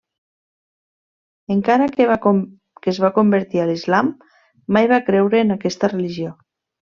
Encara que es va convertir a l'islam, mai va creure en aquesta religió.